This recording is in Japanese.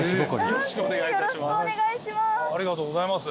よろしくお願いします。